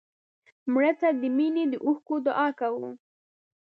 مړه ته د مینې د اوښکو دعا کوو